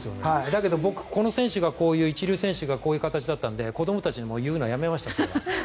だけど、僕、こういう一流選手がこういう形だったので子どもたちにも言うのをやめました。